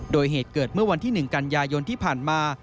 โดยเหตุเกิดเมื่อวันที่๑กันยายนที่ผ่านมา